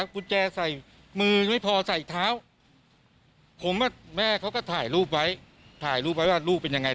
ผมว่าแม่เขาก็ถ่ายรูปไว้ถ่ายรูปไว้ว่ารูปเป็นยังไง